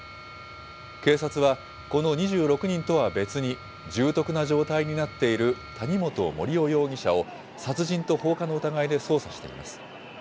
警察は、この２６人とは別に、重篤な状態になっている谷本盛雄容疑者を殺人と放火の疑いで捜査しています。